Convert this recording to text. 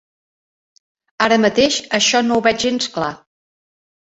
Ara mateix això no ho veig gens clar.